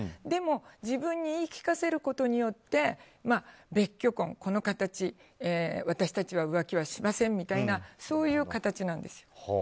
でも自分に言い聞かせることによって別居婚、この形私たちは浮気はしませんみたいなそういう形なんですよ。